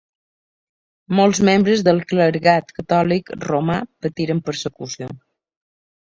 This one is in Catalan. Molts membres del clergat catòlic romà patiren persecució.